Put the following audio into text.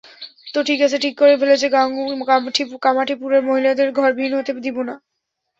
তো, ঠিক আছে, ঠিক করে ফেলেছে গাঙু, কামাঠিপুরার মহিলাদের ঘরবিহীন হতে দিবো না।